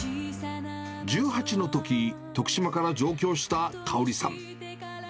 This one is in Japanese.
１８のとき徳島から上京した嘉織さん。